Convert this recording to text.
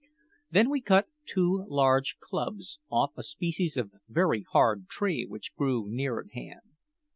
Then we cut two large clubs off a species of very hard tree which grew near at hand.